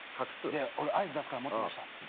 俺合図出すから持ってましたって。